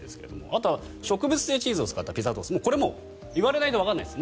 あとは、植物性チーズを使ったピザトーストこれも言われないとわからないです。